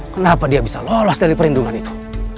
kenapa dia bisa lolos dari perlindungan itu